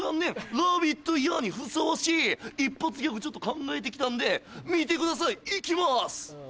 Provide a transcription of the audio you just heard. ラビットイヤーにふさわしい一発ギャグちょっと考えてきたんで見てくださいいきます！